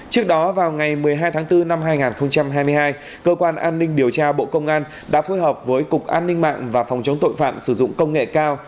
trước đó vào ngày một mươi hai tháng bốn năm hai nghìn hai mươi hai cơ quan an ninh điều tra bộ công an đã phối hợp với cục an ninh mạng và phòng chống tội phạm sử dụng công nghệ cao